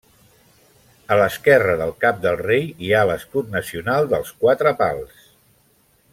A l'esquerra del cap del rei hi ha l'escut nacional dels Quatre Pals.